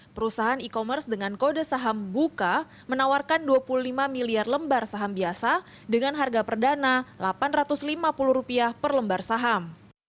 perusahaan e commerce dengan kode saham buka menawarkan dua puluh lima miliar lembar saham biasa dengan harga perdana rp delapan ratus lima puluh per lembar saham